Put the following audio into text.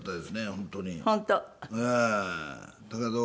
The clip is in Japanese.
本当に。